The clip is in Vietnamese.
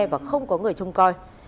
và không có người trông coi